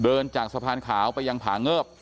เดินจากสะพานขาวไปยังผาเงิบ